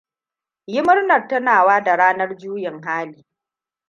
Yi murnan tunawa da ranan juyin hali!